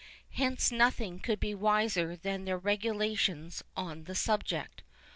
Hence nothing could be wiser than their regulations on this subject.